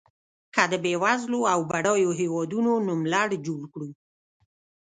که د بېوزلو او بډایو هېوادونو نوملړ جوړ کړو.